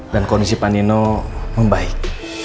dan kondisi pak ino membaik